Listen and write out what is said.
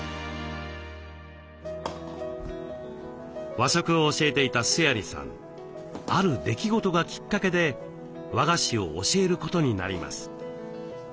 和食を教えていた須鑓さんある出来事がきっかけで和菓子を教えることになります。